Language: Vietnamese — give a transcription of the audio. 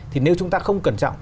thì nếu chúng ta không cẩn trọng